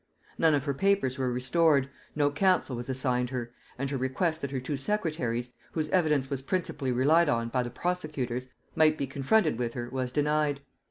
None of her papers were restored, no counsel was assigned her; and her request that her two secretaries, whose evidence was princicipally relied on by the prosecutors, might be confronted with her, was denied.